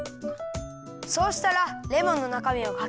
そうしたらレモンのなかみをかきだすよ。